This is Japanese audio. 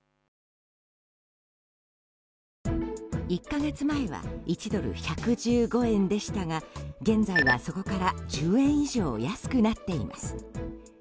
１か月前は１ドル＝１１５円でしたが現在は、そこから１０円以上安くなっています。